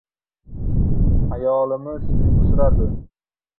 Ayolimiz uyqusiradi.